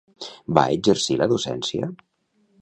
Va exercir la docència?